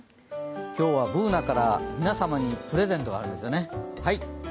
今日はＢｏｏｎａから皆様にプレゼントがあるんですよね。